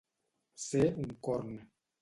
Ser un corn.